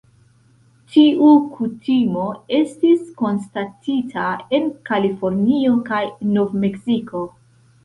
Tiu kutimo estis konstatita en Kalifornio kaj Nov-Meksiko.